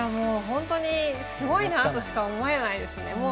本当にすごいなとしか思えないですね。